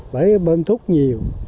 phải bơm thuốc nhiều